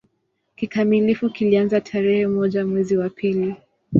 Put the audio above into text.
Kikamilifu kilianza tarehe moja mwezi wa pili